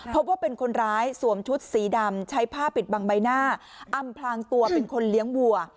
พบว่าเป็นคนร้ายสวมชุดสีดำใช้ผ้าปิดบังใบหน้าอำพลางตัวเป็นคนเลี้ยงวัว